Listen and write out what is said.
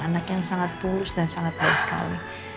anak yang sangat tulus dan sangat baik sekali